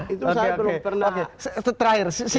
itu saya belum pernah